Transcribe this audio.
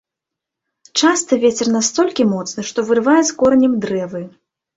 Часта вецер настолькі моцны, што вырывае з коранем дрэвы.